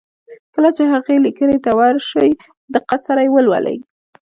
کله چې هغې ليکنې ته ور شئ په دقت سره يې ولولئ.